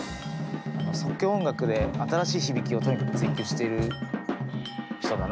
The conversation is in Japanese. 即興音楽で新しい響きをとにかく追求してる人だなと思いますね。